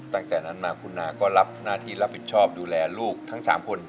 ตั้งแต่นั้นมาคุณนาก็รับหน้าที่รับผิดชอบดูแลลูกทั้ง๓คน